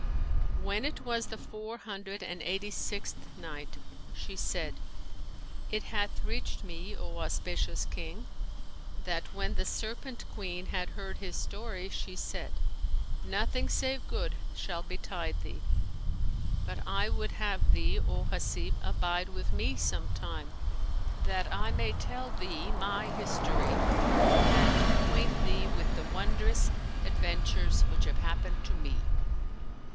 When it was the Four Hundred and Eighty sixth Night, She said, It hath reached me, O auspicious King, that when the Serpent queen had heard his story she said, "Nothing save good shall betide thee: but I would have thee, O Hasib, abide with me some time, that I may tell thee my history and acquaint thee with the wondrous adventures which have happened to me."